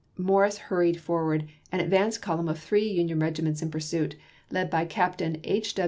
Morris hur chap. xix. ried forward an advance column of three Union regi ments in pursuit, led by Captain H.